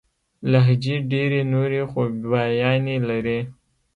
لهجې ډېري نوري خوباياني لري.